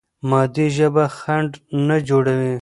مادي ژبه خنډ نه جوړوي.